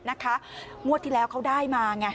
งวดที่แล้วเขาได้มาไง